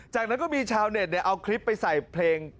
จากนั้นก็มีชาวเน็ตเอาคลิปไปใส่เพลง